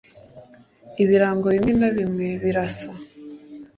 ibirango bimwe na bimwe birasa ,